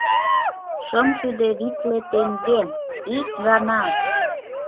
— Шымшӱдӧ витле теҥге — ик гана!..